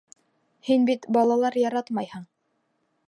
Һин бит балалар яратмайһың!